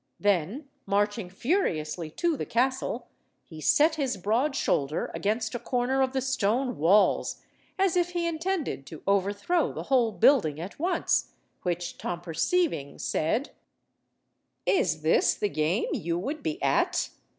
Then, marching furiously to the castle, he set his broad shoulder against a corner of the stone walls, as if he intended to overthrow the whole building at once, which Tom perceiving, said— "Is this the game you would be at?